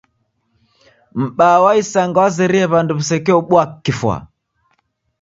M'baa wa isanga wazerie w'andu w'isekeobua kifwa.